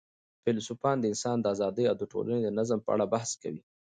فیلسوفان د انسان د آزادۍ او د ټولني د نظم په اړه بحث کوي.